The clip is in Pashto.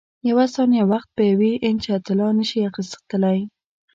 یوه ثانیه وخت په یوې انچه طلا نه شې اخیستلای.